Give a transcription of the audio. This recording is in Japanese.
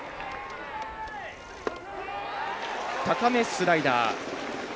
高めスライダー。